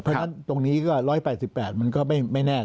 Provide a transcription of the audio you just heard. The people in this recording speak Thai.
เพราะฉะนั้นตรงนี้ก็๑๘๘มันก็ไม่แน่